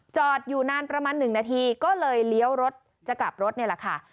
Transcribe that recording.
จอดอยู่นานประมาณ๑นาทีก็เลยเลี้ยวรถจะกลับรถนี่แหละค่ะ